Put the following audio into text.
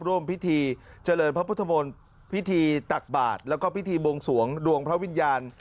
ร่วมพิธีเจริญพระพุทธมนต์พิธีตักบาทแล้วก็พิธีบวงสวงดวงพระวิญญาณ